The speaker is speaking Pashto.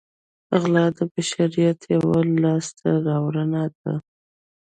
غلا د بشر یوه لاسته راوړنه ده